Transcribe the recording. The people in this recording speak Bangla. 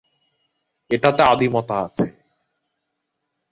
এটাতে আদিমতা আছে।